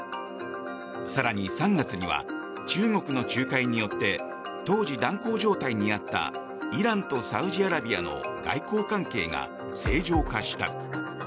更に３月には中国の仲介によって当時、断交状態にあったイランとサウジアラビアの外交関係が正常化した。